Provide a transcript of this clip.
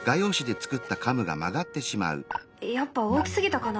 やっぱ大きすぎたかな？